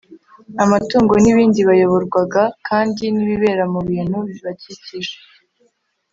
amatungo n'ibindi. bayoborwaga kandi n'ibibera mu bintu bibakikije